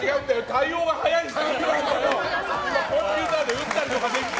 対応が早いんです。